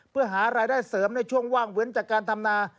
เพื่อหารายได้เสริมในช่วงว่างเว้นจากการทำนา